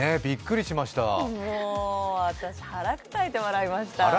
もう私、腹抱えて笑いました。